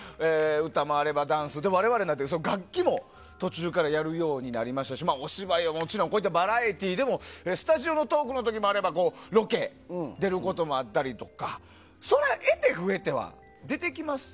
歌もあればダンス我々なんかは楽器も途中からやるようになりましたしお芝居はもちろんこういったバラエティーでもスタジオのトークの時もあればロケ出ることもあったりとかそれは得手不得手は出てきます。